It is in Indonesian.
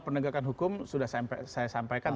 penegakan hukum sudah saya sampaikan